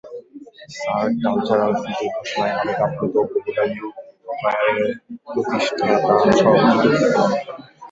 SAARC cultural city ঘোষণায় আবেগ আপ্লুত বগুড়া ইয়ুথ কয়্যারের প্রতিষ্ঠাতা সভাপতি তৌফিকুল আলম।